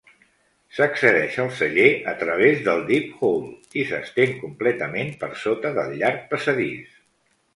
S'accedeix al celler a través del Deep Hall i s'estén completament per sota del llarg passadís.